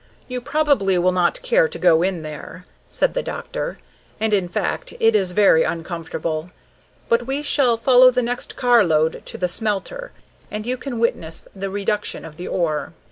"You probably will not care to go in there," said the doctor, "and, in fact, it is very uncomfortable. But we shall follow the next car load to the smelter, and you can witness the reduction of the ore."